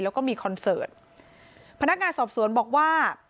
แล้วก็มีคอนเสิร์ตพนักงานสอบสวนบอกว่า